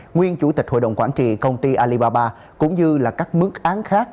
nguyên chủ tịch hội đồng quản trị công ty alibaba cũng như các mức án khác